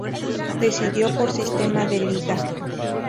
Decidido por sistema de liga.